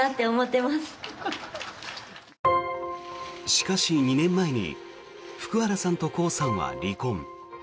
しかし、２年前に福原さんとコウさんは離婚。